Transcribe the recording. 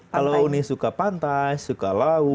kalau ini suka pantai suka laut